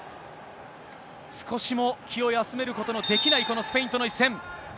少しも気を休めることのできない、このスペインとの一戦。